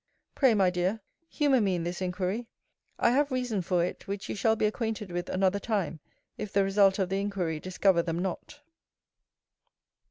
Pray, my dear, humour me in this inquiry. I have reason for it, which you shall be acquainted with another time, if the result of the inquiry discover them not.